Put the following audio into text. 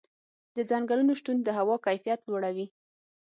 د ځنګلونو شتون د هوا کیفیت لوړوي.